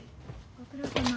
ご苦労さま。